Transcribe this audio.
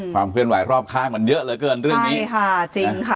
ความเคลื่อนไหวรอบข้างมันเยอะเหลือเกินเรื่องนี้ใช่ค่ะจริงค่ะ